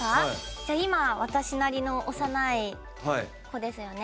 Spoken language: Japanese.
じゃあ今私なりの幼い子ですよね。